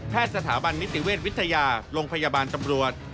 สถาบันนิติเวชวิทยาโรงพยาบาลตำรวจ